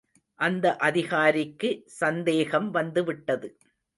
அந்த அதிகாரிக்கு சந்தேகம் வந்துவிட்டது.